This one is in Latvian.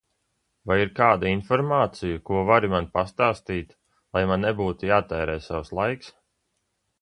Vai ir kāda informācija, ko vari man pastāstīt, lai man nebūtu jātērē savs laiks?